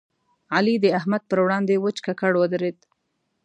علي د احمد پر وړاندې وچ ککړ ودرېد.